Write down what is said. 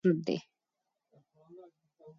د پخوانیو خلکو کلتور زموږ د تمدن بنسټ دی.